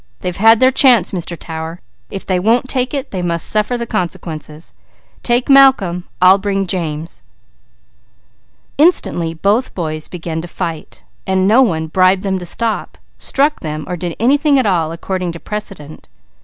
"They've had their chance, Mr. Tower. If they won't take it, they must suffer the consequences. Take Malcolm, I'll bring James." Instantly both boys began to fight. No one bribed them to stop, struck them, or did anything at all according to precedent.